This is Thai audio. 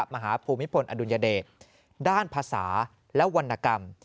ภูมิพลอดุลยเดชด้านภาษาและวรรณกรรม